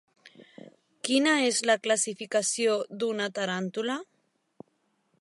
Quina és la classificació d'una taràntula?